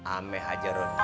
ame hajarun iya